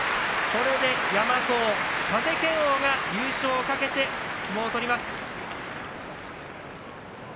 これで山藤、風賢央が優勝を懸けて相撲を取ります。